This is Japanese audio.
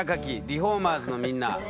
リフォーマーズのみんな。